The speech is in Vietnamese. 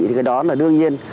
thì cái đó là đương nhiên